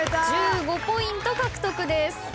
１５ポイント獲得です。